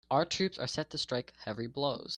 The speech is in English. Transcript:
Our troops are set to strike heavy blows.